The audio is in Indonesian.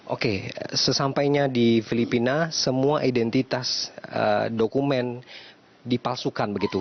oke sesampainya di filipina semua identitas dokumen dipalsukan begitu